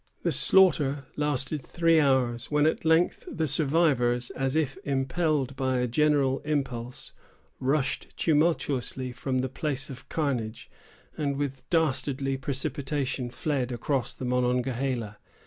The slaughter lasted three hours; when, at length, the survivors, as if impelled by a general impulse, rushed tumultuously from the place of carnage, and with dastardly precipitation fled across the Monongahela.